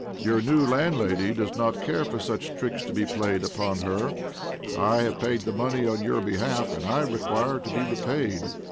Your new landlady does not care for such tricks to be played upon her. I have paid the money on your behalf, and I require to be repaid."